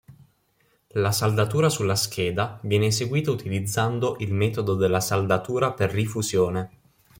La saldatura sulla scheda viene eseguita utilizzando il metodo della saldatura per rifusione.